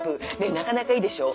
なかなかいいでしょ。